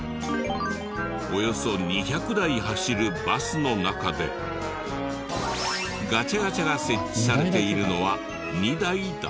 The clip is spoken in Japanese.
およそ２００台走るバスの中でガチャガチャが設置されているのは２台だけ。